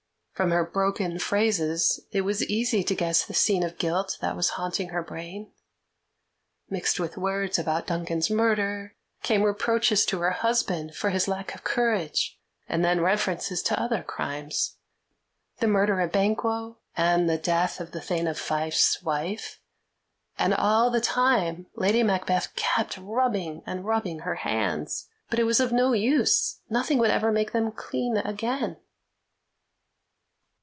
From her broken phrases it was easy to guess the scene of guilt that was haunting her brain. Mixed with words about Duncan's murder came reproaches to her husband for his lack of courage, and then references to other crimes the murder of Banquo, and the death of the Thane of Fife's wife. And all the time Lady Macbeth kept rubbing and rubbing her hands; but it was of no use nothing would ever make them clean again.